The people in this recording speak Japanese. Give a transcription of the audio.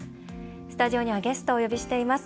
スタジオにはゲストをお呼びしています。